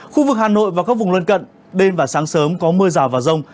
khu vực hà nội và các vùng lân cận đêm và sáng sớm có mưa rào và rông